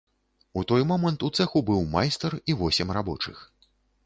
У той момант у цэху быў майстар і восем рабочых.